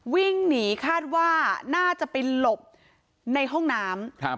วิ่งหนีคาดว่าน่าจะไปหลบในห้องน้ำ